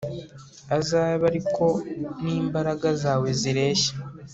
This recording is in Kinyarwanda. azabe ari ko n'imbaraga zawe zireshya